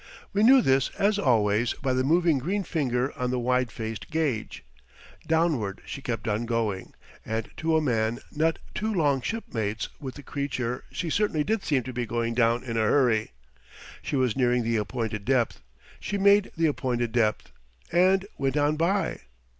We knew this, as always, by the moving green finger on the wide faced gauge. Downward she kept on going, and to a man not too long shipmates with the creature she certainly did seem to be going down in a hurry. She was nearing the appointed depth; she made the appointed depth, and went on by.